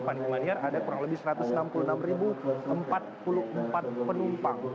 fani maniar ada kurang lebih satu ratus enam puluh enam empat puluh empat penumpang